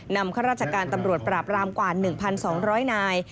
ข้าราชการตำรวจปราบรามกว่า๑๒๐๐นาย